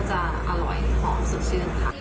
จะอร่อยหอมสดชื่นค่ะ